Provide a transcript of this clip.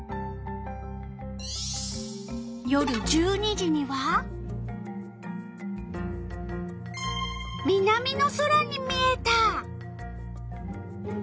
夜１２時には南の空に見えた。